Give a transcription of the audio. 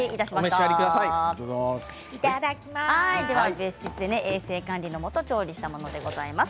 別室で衛生管理のもと調理したものです。